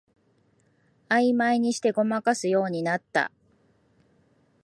あいまいにしてごまかすようになった